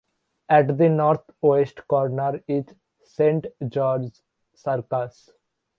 At the northwest corner is Saint George's Circus.